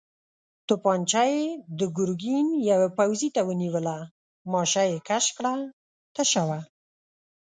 توپانجه يې د ګرګين يوه پوځي ته ونيوله، ماشه يې کش کړه، تشه وه.